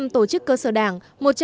chín trăm linh tổ chức cơ sở đảng